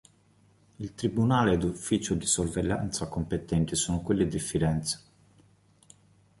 Il tribunale ed ufficio di sorveglianza competenti sono quelli di Firenze.